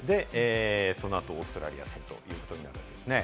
その後、オーストラリア戦ということになっていますね。